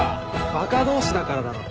バカ同士だからだろ。